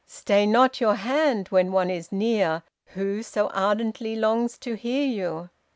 Stay not your hand when one is near, who so ardently longs to hear you.'